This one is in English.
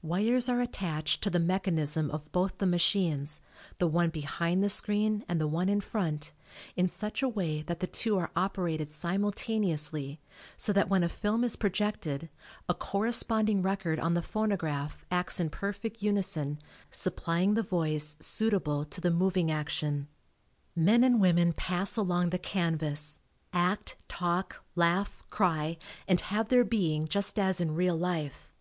Wires are attached to the mechanism of both the machines, the one behind the screen and the one in front, in such a way that the two are operated simultaneously so that when a film is projected a corresponding record on the phonograph acts in perfect unison supplying the voice suitable to the moving action. Men and women pass along the canvas, act, talk, laugh, cry and "have their being" just as in real life.